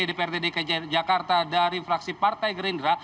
dprd dki jakarta dari fraksi partai gerindra